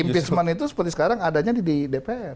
impeachment itu seperti sekarang adanya di dpr